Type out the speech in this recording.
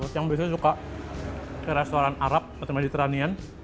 buat yang biasanya suka ke restoran arab atau mediterranean